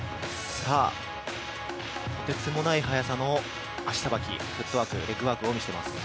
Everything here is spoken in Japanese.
とてつもない速さのフットワーク、レッグワークを維持しています。